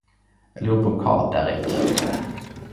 Eg lurer på kva Derrick